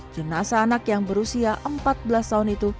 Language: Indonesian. jenasa anak yang berusia empat belas tahun itu